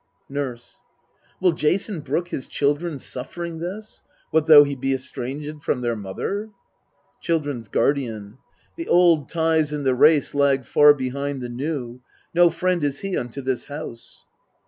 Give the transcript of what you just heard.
Nurse. Will Jason brook his children suffering this, What though he be estranged from their mother? Children's Guardian. The old ties in the race lag far behind The new : no friend is he unto this house.